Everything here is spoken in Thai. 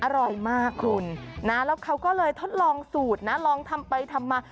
อร่อยมากคุณนะแล้วเขาก็เลยทดลองสูตรนะลองทำไปทำมา